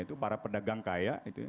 yaitu para pedagang kaya